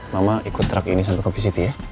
mama ikut truck ini sampai covisity ya